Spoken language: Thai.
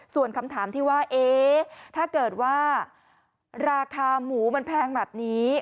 ส่วนคำถามที่ว่าเอ๊ะถ้าเกิดว่าราคาหมูมันแพงแบบนี้